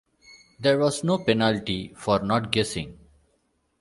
There was no penalty for not guessing.